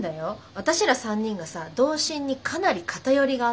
私ら３人がさ童心にかなり偏りがあったから。